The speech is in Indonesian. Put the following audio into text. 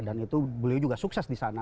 itu beliau juga sukses di sana